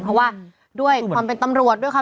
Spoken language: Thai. เพราะว่าด้วยความเป็นตำรวจด้วยค่ะ